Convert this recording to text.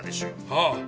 ああ。